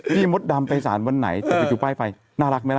มดดำไปสารวันไหนแต่ไปดูป้ายไฟน่ารักไหมล่ะ